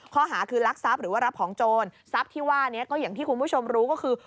ข้อหาคือรักทรัพย์หรือว่ารับของโจรทรัพย์ที่ว่านี้ก็อย่างที่คุณผู้ชมรู้ก็คือ